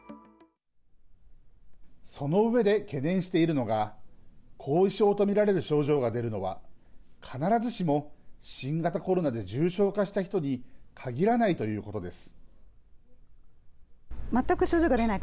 その上で懸念しているのが後遺症と見られる症状が出るのは必ずしも新型コロナで重症化した人に限らないということです。